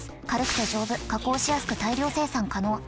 軽くて丈夫加工しやすく大量生産可能。